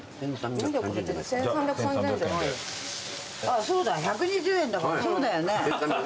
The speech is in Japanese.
あぁそうだ１２０円だからそうだよね。